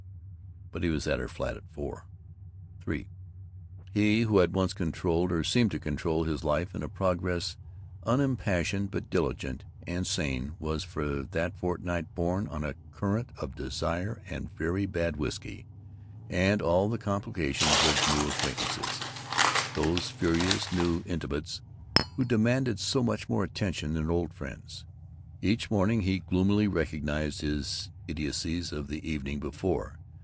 But he was at her flat at four. III He who had once controlled or seemed to control his life in a progress unimpassioned but diligent and sane was for that fortnight borne on a current of desire and very bad whisky and all the complications of new acquaintances, those furious new intimates who demand so much more attention than old friends. Each morning he gloomily recognized his idiocies of the evening before.